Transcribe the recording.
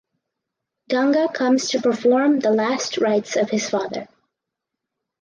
Ganga comes to perform the last rites of his father.